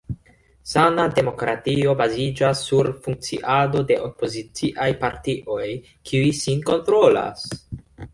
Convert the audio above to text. Sana demokratio baziĝas sur funkciado de opoziciaj partioj, kiuj sin kontrolas.